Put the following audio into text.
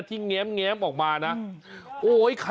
ที่แง้มออกมานะ